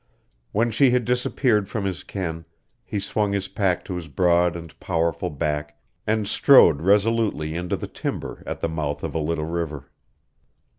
When she had disappeared from his ken, he swung his pack to his broad and powerful back and strode resolutely into the timber at the mouth of a little river.